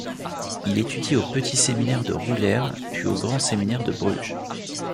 Il étudie au petit séminaire de Roulers, puis au grand séminaire de Bruges.